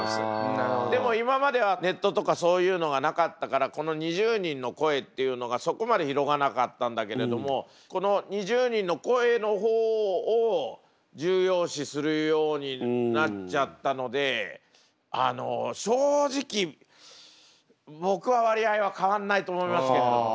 でも今まではネットとかそういうのがなかったからこの２０人の声っていうのがそこまで広がらなかったんだけれどもこの２０人の声の方を重要視するようになっちゃったのであの正直僕は割合は変わんないと思いますけれどもね。